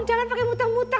jangan pakai muter muter